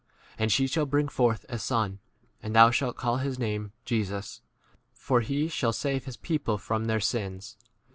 And she shall bring forth a son, and thou shalt call his name Jesus, for he shall save his people from 22 their sins.